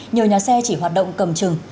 nhiều nhà xe chỉ hoạt động cầm chừng